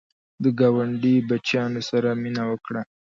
د ګاونډي بچیانو سره مینه وکړه